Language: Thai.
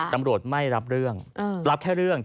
ตำรวจไม่รับเรื่องรับแค่เรื่อง